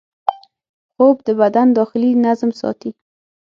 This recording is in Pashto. خوب د بدن داخلي نظم ساتي